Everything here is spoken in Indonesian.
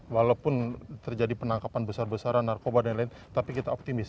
walaupun terjadi penangkapan besar besaran narkoba dan lain lain tapi kita optimis